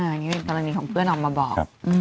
อันนี้เป็นกรณีของเพื่อนออกมาบอก